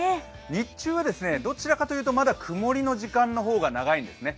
日中はどちらかというとまだ曇りの時間の方が長いんですね。